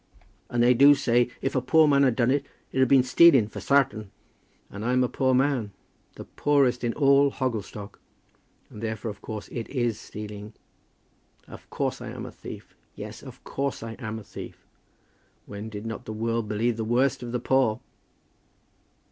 "And they do say if a poor man had done it, it'd been stealing, for sartain." "And I'm a poor man, the poorest in all Hogglestock; and, therefore, of course, it is stealing. Of course I am a thief. Yes; of course I am a thief. When did not the world believe the worst of the poor?"